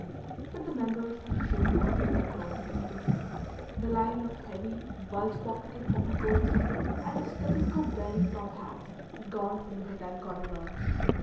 But the members have shredded off to their homes. The line of heavy, bulge pocketed overcoats and of stethoscope bearing top hats is gone from the hotel corridor.